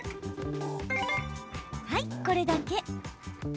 はい、これだけ。